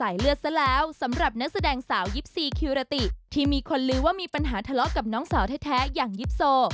ยิบสี่คิวระติที่มีคนลื้อว่ามีปัญหาทะเลาะกับน้องสาวแท้แท้อย่างยิบโซ